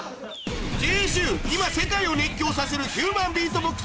次週今世界を熱狂させるヒューマンビートボックス